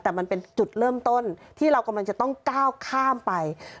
แต่มันเป็นจุดเริ่มต้นที่เรากำลังจะต้องก้าวข้ามไป